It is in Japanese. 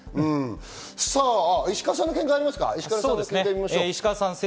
石川さんの見解がありますか？